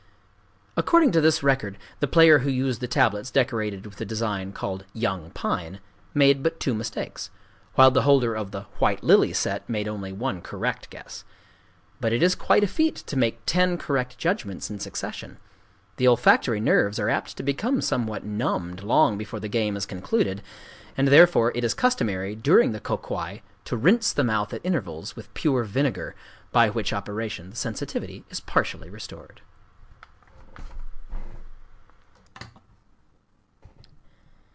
According to this record the player who used the tablets decorated with the design called "Young Pine," made but two mistakes; while the holder of the "White Lily" set made only one correct guess. But it is quite a feat to make ten correct judgments in succession. The olfactory nerves are apt to become somewhat numbed long before the game is concluded; and, therefore it is customary during the Kō kwai to rinse the mouth at intervals with pure vinegar, by which operation the sensitivity is partially restored.